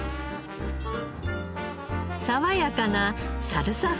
爽やかなサルサ風